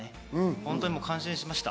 本当に感心しました。